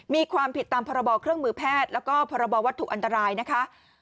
มีความผิดตามพรบเครื่องมือแพทย์แล้วก็พรบวัตถุอันตรายนะคะ